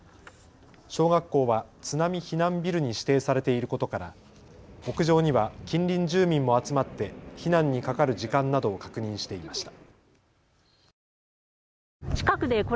小学校は津波避難ビルに指定されていることから屋上には近隣住民も集まって避難にかかる時間などを確認していました。